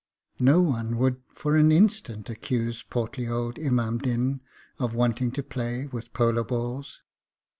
No one would for an instant accuse portly old Imam Din of wanting to play with polo balls.